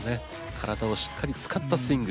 体をしっかり使ったスイング。